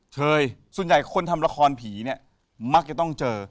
เชยส่วนใหญ่คนทำละครผีเนี่ยมักจะต้องเจอ